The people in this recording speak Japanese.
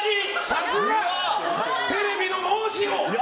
さすがテレビの申し子！